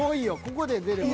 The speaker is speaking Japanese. ここで出れば。